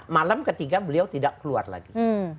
malam ketiga beliau tidak keluar lagi